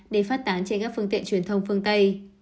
để phát tán trên các phương tiện truyền thông phương tây